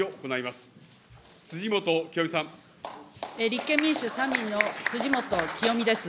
立憲民主・社民の辻元清美です。